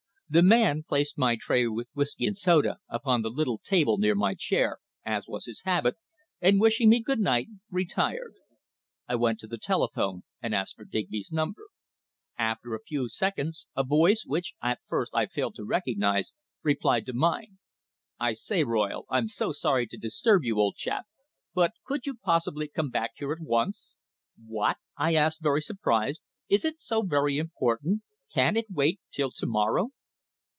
The man placed my tray with whisky and soda upon the little table near my chair, as was his habit, and, wishing me good night, retired. I went to the telephone, and asked for Digby's number. After a few seconds a voice, which at first I failed to recognise, replied to mine: "I say, Royle; I'm so sorry to disturb you, old chap, but could you possibly come back here at once?" "What?" I asked, very surprised. "Is it so very important? Can't it wait till to morrow?"